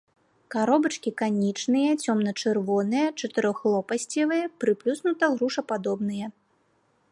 Каробачкі канічныя, цёмна-чырвоныя, чатырохлопасцевыя, прыплюснута-грушападобныя.